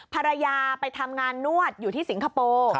ภรรยาไปทำงานนวดอยู่ที่สิงคโปร์